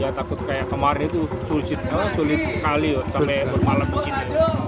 ya takut kayak kemarin itu sulit sekali loh sampai bermalam disini